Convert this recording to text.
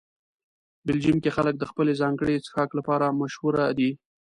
بلجیم کې خلک د خپل ځانګړي څښاک لپاره مشهوره دي.